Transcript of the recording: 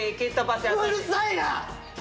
うるさいな！